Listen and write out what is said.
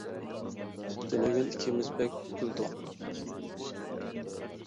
تۈنۈگۈن ئىككىمىز بەك كۈلدۇق.